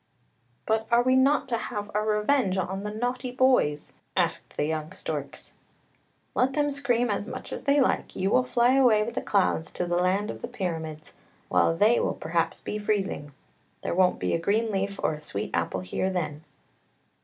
" But are we not to have our revenge on the naughty boys? " asked the young storks. " Let them scream as much as they like; you will fly away with the clouds to the land of the pyramids, while they will perhaps be freezing. There won't be a green leaf or a sweet apple here then!